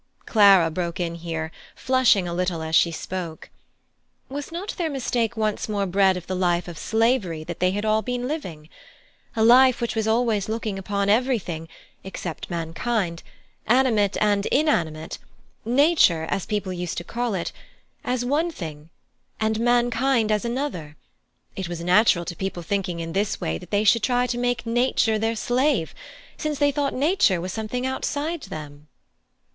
Clara broke in here, flushing a little as she spoke: "Was not their mistake once more bred of the life of slavery that they had been living? a life which was always looking upon everything, except mankind, animate and inanimate 'nature,' as people used to call it as one thing, and mankind as another, it was natural to people thinking in this way, that they should try to make 'nature' their slave, since they thought 'nature' was something outside them."